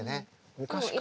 昔から。